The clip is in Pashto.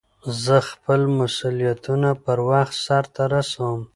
زه خپل مسئولیتونه پر وخت سرته رسوم.